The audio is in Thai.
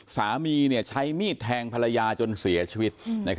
สามีใช้มีดแทงภรรยาจนเสียชีวิต